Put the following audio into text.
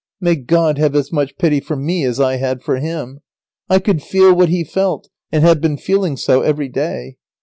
May God have as much pity for me as I had for him! I could feel what he felt, and have been feeling so every day.